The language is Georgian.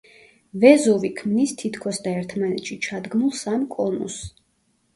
ვეზუვი ქმნის თითქოსდა ერთმანეთში ჩადგმულ სამ კონუსს.